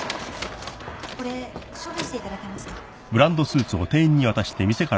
これ処分していただけますか？